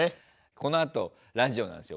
このあとラジオなんですよ